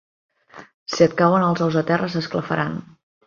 Si et cauen els ous a terra s'esclafaran.